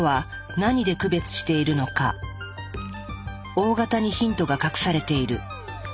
Ｏ型にヒントが隠されている。